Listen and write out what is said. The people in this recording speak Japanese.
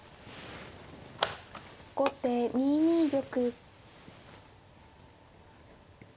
後手２二玉。